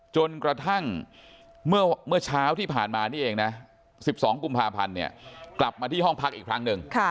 จนกระทั่งเมื่อเช้าที่ผ่านมานี่เองนะ๑๒กุมภาพันธ์กลับมาที่ห้องพักอีกครั้งหนึ่ง